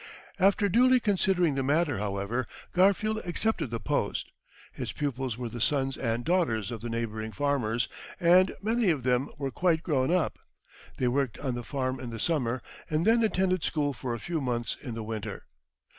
After duly considering the matter, however, Garfield accepted the post. His pupils were the sons and daughters of the neighbouring farmers, and many of them were quite grown up. They worked on the farm in the summer, and then attended school for a few months in the winter.